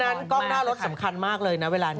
กล้องหน้ารถสำคัญมากเลยนะเวลานี้